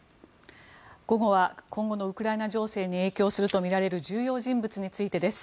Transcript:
午後は今後のウクライナ情勢に影響するとみられる重要人物についてです。